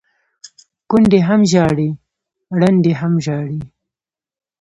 ـ کونډې هم ژاړي ړنډې هم ژاړي،